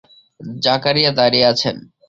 জাকারিয়া দাঁড়িয়ে আছেন।